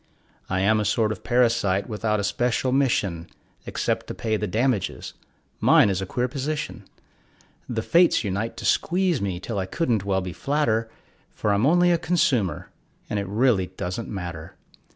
I am a sort of parasite without a special mission Except to pay the damages mine is a queer position: The Fates unite to squeeze me till I couldn't well be flatter, For I'm only a consumer, and it really doesn't matter.